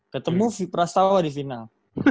ketemu pras tawa di final